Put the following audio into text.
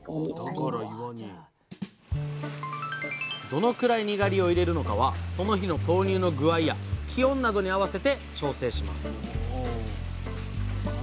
どのくらいにがりを入れるのかはその日の豆乳の具合や気温などに合わせて調整します